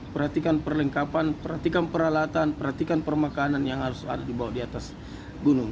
perhatikan perlengkapan perhatikan peralatan perhatikan permakanan yang harus ada dibawa di atas gunung